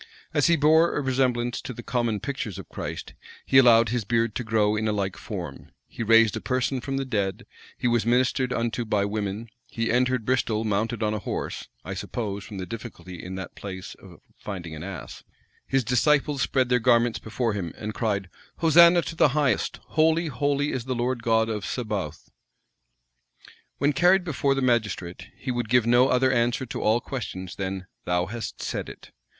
As he bore a resemblance to the common pictures of Christ, he allowed his beard to grow in a like form: he raised a person from the dead:[] he was ministered unto by women:[] he entered Bristol mounted on a horse, (I suppose, from the difficulty in that place of finding an ass:) his disciples spread their garments before him, and cried, "Hosanna to the highest; holy, holy is the Lord God of Sabaoth." When carried before the magistrate, he would give no other answer to all questions than "Thou hast said it."